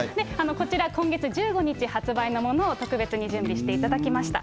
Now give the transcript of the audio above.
こちら、今月１５日発売のものを、特別に準備していただきました。